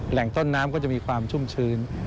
แหล่งต้นน้ำก็จะมีความชุ่มชื้น